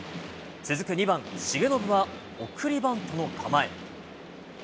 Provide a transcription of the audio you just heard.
続く２番重信は送りバントの構え。